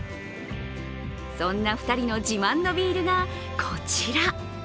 そんな２人の自慢ビールがこちら。